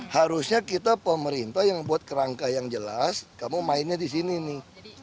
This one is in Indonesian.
harusnya kita pemerintah yang buat kerangka yang jelas kamu mainnya di sini nih